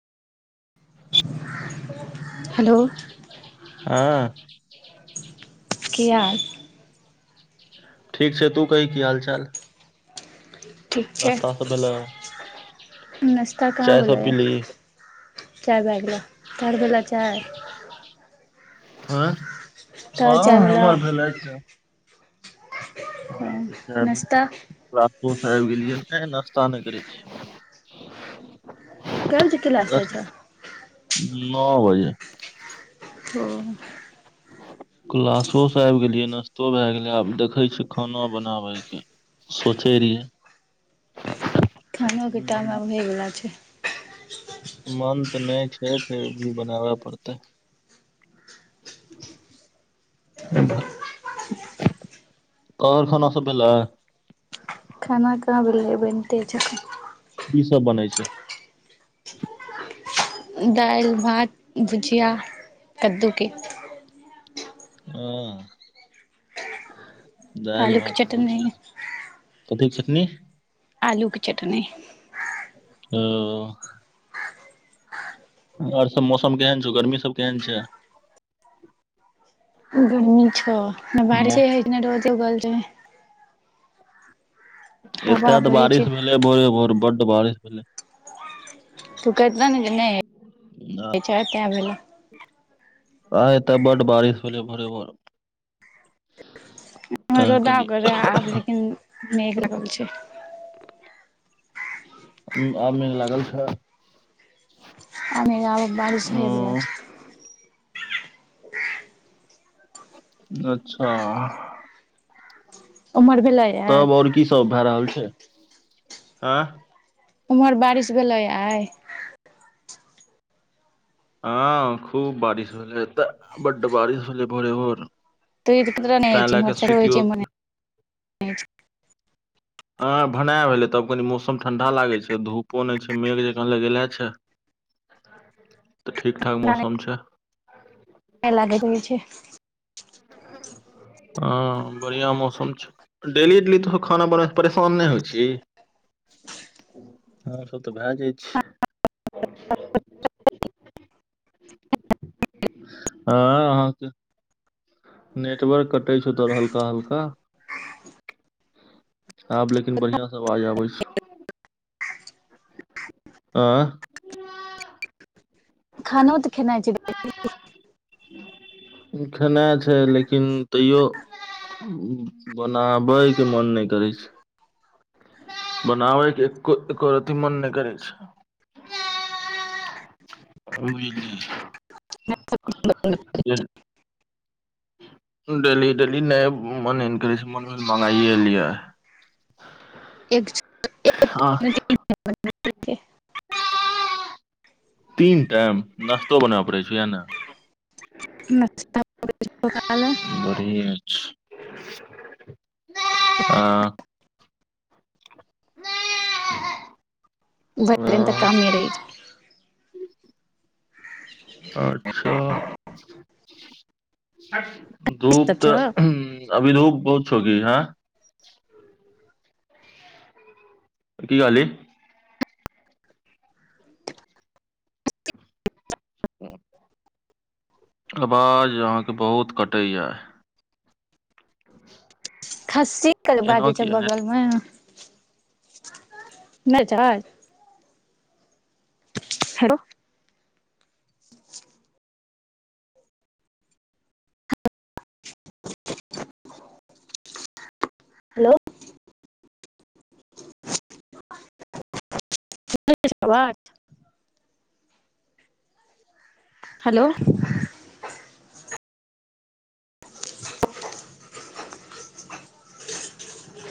Hello हँ। किए? ठीक छै तू कही की हाल चाल? ठीक छै, नास्ता सब भेलै नश्ता कहाँ चाय सब भेलैया पीली [inaudible] चाय भा गेलै, तोहर भेलौ चाय? आंए, तोहर हँ चाय भेलौ हमर भेलै चाय। हमर त चाय भे नाश्ता राजपुर स आबि गेलियै। नै नश्ता नै करै छियै। कै बजे क्लास जाइ छै? नओ बजे। ओ। क्लासो स आबि गेलियै, नश्तो भै गेलै। आब देखै छियै खाना बनाबैके सोचै रहियै [inaudible] खानके टाइम मन आब होइबला छै। मन त नै छै, फिर भी बनाबै परतै। [unintelligible] [unintelligible] खाना कहाँ भेलैया, बनिते छै। [unintelligible] की सब बनै छै? दालि भात भुजिया कद्दूके। हँ [inaudible] दालि आलूके भात चटनी भुजिया। कथीक चटनी? आलूके चटनी। ओ। आओर सब मौसम केहन छौ, गर्मी सब केहन छै। गर्मी छह, ने बारिशे होइ छै ने रोजे उगल छै। एत हवा तऽ बहै छै बारिश भेलै भोरे भोर बड्ड बारिश भेलै। तू कैरता ने जे नई भेले होइछौ, तैं भेलौ आइ एता बड बारिश भेलै भोरेभोर रौदा कर रहे आब लेकिन न लाग छै। आब मेघ लागल छ आबके बारिश होइवला छै। अच्छा उम्हर भेलैये तब ओर की सब भए रहल छै ऐं उम्हर बारिश भेलैय आइ हँ खूब बारिश भेलै एतऽ बड्ड बारिश भेलै भोरेभोर तऽ ई तरह नहि होइ तह छै लैक इम्हर से होइ छै इम्हर सुतियोक हँ भनै भेलै तब कनि मौसम ठण्डा लागै छै धूपो नै छै मेघ जँकाँ लगेले छै। [inaudible] तऽ ठीक ठाक मौसम छै। ए लागैत होइ छै हँ बढ़िया मौसम छै। डेली इडली त खाना बनाक परेशान नै होइछीही आर सब तऽ भए जाइ छै। [unintelligible] हँ अहाँके नेटवर्क कटै छौ तोर हल्का- हल्का आब लेकिन बढ़ियांसँ आवाज आबै छो ऐं खाना त खेना छै खेनाइ छै लेकिन तैयो बनाबै के मन नय करै छै। बनाबै के एक्को एको रतिमन नै करै छै। [unintelligible] [inaudible] [unintelligible] डेली डेली नै मने नै करै छइ मगाइए लिय हँ [unintelligible] तीन टाइम नाश्तो बनब पड़े छै य ने [unintelligible] बढ़िएं छै ए भरि [unintelligible] दिन तऽ कामे रहै छै [unintelligible] अच्छा, की सब धूप छौ तऽ-ह्म अभि धुप बहुत छो गी हँ की कहली [unintelligible] अबाज अहांक बहुत कटै या खस्सी कर एना बाजै छै किया ने बगलमें नै छैय हेलो [inaudible] हेलो [inaudible] [unintelligible] हेलो